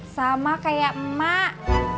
sama kayak emak